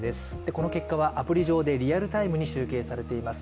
この結果はアプリ上でリアルタイムに集計されています。